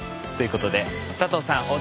ということで佐藤さん